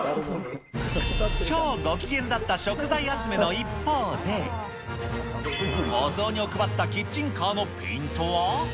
超ご機嫌だった食材集めの一方で、お雑煮を配ったキッチンカーのペイントは。